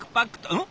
うん？